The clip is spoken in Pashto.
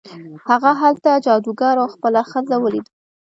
هغه هلته جادوګر او خپله ښځه ولیدل.